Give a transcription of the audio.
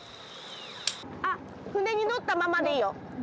あっ船に乗ったままでいいよ。